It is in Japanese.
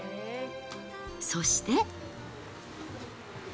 そして。